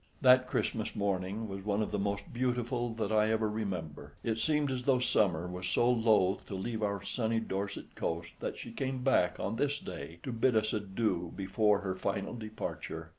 That Christmas morning was one of the most beautiful that I ever remember. It seemed as though summer was so loath to leave our sunny Dorset coast that she came back on this day to bid us adieu before her final departure.